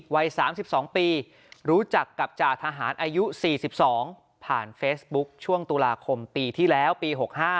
วัย๓๒ปีรู้จักกับจ่าทหารอายุ๔๒ผ่านเฟซบุ๊คช่วงตุลาคมปีที่แล้วปี๖๕